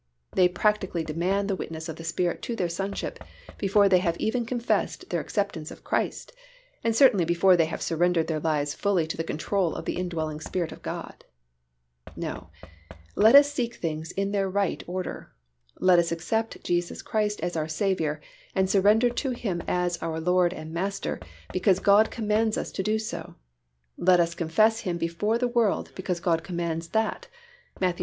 They practically demand the witness of the Spirit to their sonship before they have even confessed their acceptance of Christ, and certainly before they have surrendered their lives fully to the control of the indwelling Spirit of God. No, let us seek things in their right order. Let us accept Jesus Christ as our Saviour, and surrender to Him as our Lord and Master, because God commands us to do so; let us confess Him before the world because God commands that (Matt. x.